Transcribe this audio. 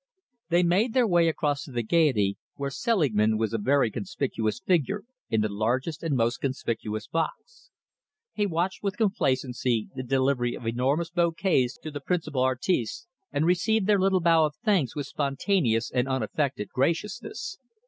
They made their way across to the Gaiety, where Selingman was a very conspicuous figure in the largest and most conspicuous box. He watched with complacency the delivery of enormous bouquets to the principal artistes, and received their little bow of thanks with spontaneous and unaffected graciousness.